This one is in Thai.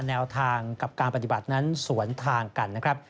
แนวทางกับการปฏิบัตินั้นสวนทางกันนะครับ